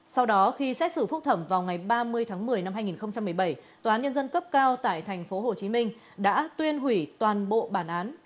sau đó khi xét xử phúc thẩm vào ngày ba mươi tháng một mươi năm hai nghìn một mươi bảy tòa án nhân dân cấp cao tại tp hcm đã tuyên hủy toàn bộ bản án